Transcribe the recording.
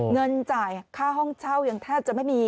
เงินจ่ายค่าห้องเช่ายังแทบจะไม่มี